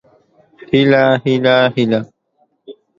هيله هيله هيله